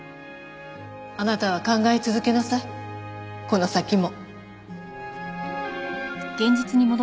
あなたは考え続けなさいこの先も。